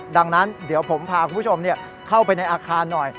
ดังนั้นเดี๋ยวผมพาคุณผู้ชมเข้าไปในอาคารหน่อย